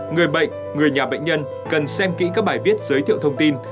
người bệnh người nhà bệnh nhân cần xem kỹ các bài viết giới thiệu thông tin